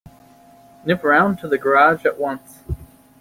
Nip round to the garage at once.